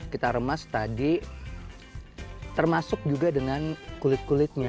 kita remas tadi termasuk juga dengan kulit kulitnya